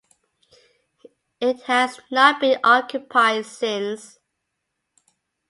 It has not been occupied since.